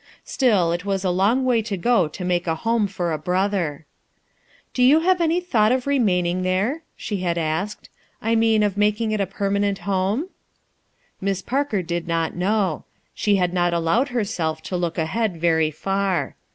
Still, it was a long way to go to make a home for a brother. "Do you have any thought of remaining there," she had asked. "I mean, of making it a permanent home?" 24S RUTH ERSKINE'S SON Miss Parker did not know. She had not allowed herself to look ahead very far.